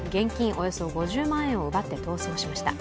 およそ５０万円を奪って逃走しました。